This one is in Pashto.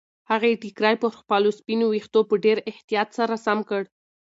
هغې ټیکری پر خپلو سپینو ویښتو په ډېر احتیاط سره سم کړ.